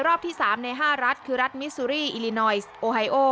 รอบที่๓ใน๕รัฐคือรัฐมิซูรี่อิลินอยซ์โอไฮโอ